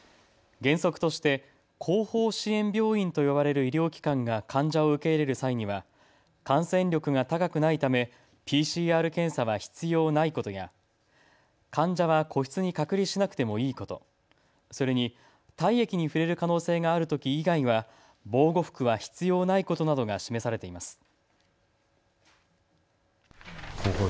原則として後方支援病院と呼ばれる医療機関が患者を受け入れる際には感染力が高くないためＰＣＲ検査は必要ないことや患者は個室に隔離しなくてもいいこと、それに体液に触れる可能性があるとき以外は防護服は必要ないことなどが示されています。